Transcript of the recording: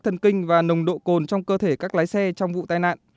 thần kinh và nồng độ cồn trong cơ thể các lái xe trong vụ tai nạn